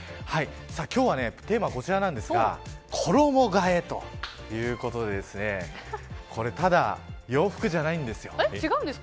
今日はテーマはこちらなんですが衣替えということでこれ、ただ洋服じゃないんですよ。